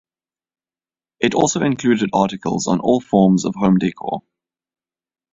It also included articles on all forms of home decor.